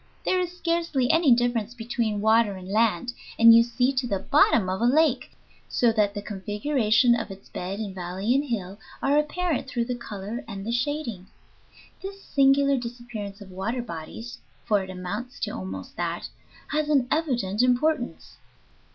There is scarcely any difference between water and land, and you see to the bottom of a lake, so that the configuration of its bed in valley and hill are apparent through the color and the shading. This singular disappearance of water bodies, for it amounts to almost that, has an evident importance.